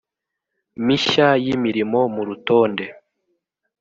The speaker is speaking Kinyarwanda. mishya y imirimo mu rutonde